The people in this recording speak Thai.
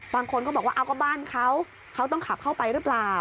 บางคนก็บอกว่าเอาก็บ้านเขาเขาต้องขับเข้าไปหรือเปล่า